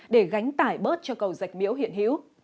để gánh tải bớt cho cầu dạch miễu hiện hữu